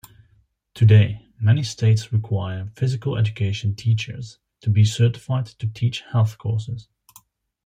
Today many states require Physical Education teachers to be certified to teach Health courses.